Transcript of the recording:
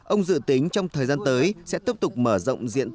ông dự tính trong thời gian tới sẽ tiếp tục mở rộng